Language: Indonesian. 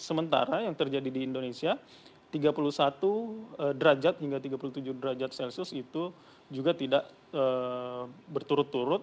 sementara yang terjadi di indonesia tiga puluh satu derajat hingga tiga puluh tujuh derajat celcius itu juga tidak berturut turut